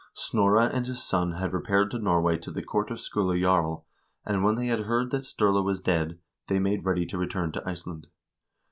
1 Snorre and his son had repaired to Norway to the court of Skule Jarl, and when they heard that Sturla was dead, they made ready to return to Iceland.